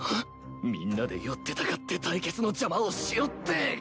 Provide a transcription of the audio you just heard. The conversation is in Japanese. みんなで寄ってたかって対決の邪魔をしおって。